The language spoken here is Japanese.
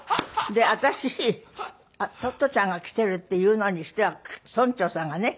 で私トットちゃんが来てるっていうのにしては村長さんがね